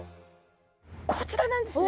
こちらなんですね。